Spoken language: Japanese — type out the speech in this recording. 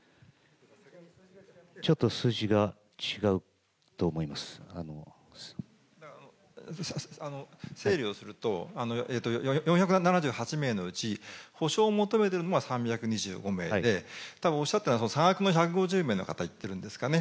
ちょっと数字が違うと思いま整理をすると、４７８名のうち、補償を求めてるのが３２５名で、たぶんおっしゃったのは、その差額の１５０名の方、言ってるんですかね。